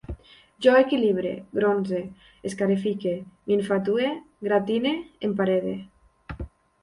Jo equilibre, gronse, escarifique, m'infatue, gratine, emparede